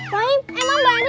bu andien udah pulang ya